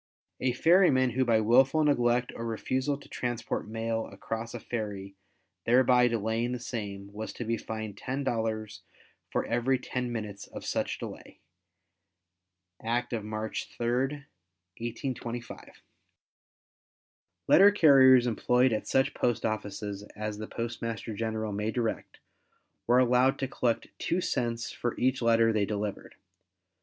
A ferryman who by wilful neglect or refusal to transport mail across a ferry thereby delaying the same, was to be fined $10 for every ten minutes of such delay. (Act of March 3, 1825.) Letter carriers employed at such post offices as the Postmaster General may direct, were allowed to collect 2 cents for each letter they delivered.